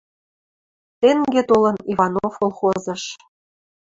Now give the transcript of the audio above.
Тенге толын Иванов колхозыш.